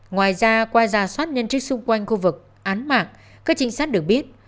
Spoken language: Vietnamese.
ngoài ra qua gia soát nhân trích xung quanh khu vực án mạng các chính sách được biết